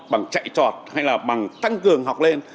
bằng chạy trọt hay là bằng tăng cường học lên